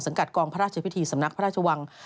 กัดกองพระราชพิธีสำนักพระราชวัง